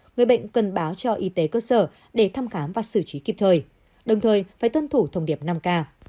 người bệnh cần báo cho y tế cơ sở để thăm khám và xử trí kịp thời đồng thời phải tuân thủ thông điệp năm k